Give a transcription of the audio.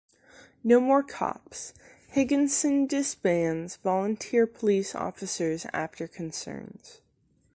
No more cops: Higginson disbands volunteer police officers after concerns.